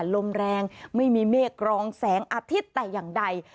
ลมแรงไม่มีเมฆรองแสงอาทิตย์แต่อย่างใด